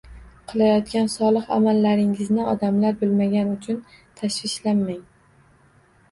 Qilayotgan solih amallaringizni odamlar bilmagani uchun tashvishlanmang.